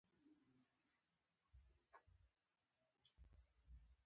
زه هیڅکله نه غواړم چې په چټییاتو باندی بحث وکړم.